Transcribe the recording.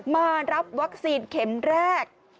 มารับวัคซีนเข็มแรก